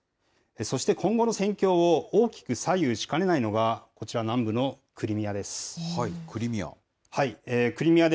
そして今後の戦況を大きく左右しかねないのが、こちら、南部のククリミア？